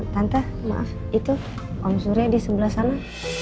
tante maaf itu om surya di sebelah sana